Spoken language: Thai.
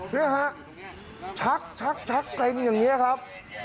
นี่ครับชักเกร็งอย่างนี้ครับ